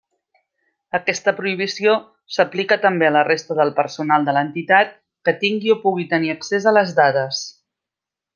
Aquesta prohibició s'aplica també a la resta del personal de l'entitat que tingui o pugui tenir accés a les dades.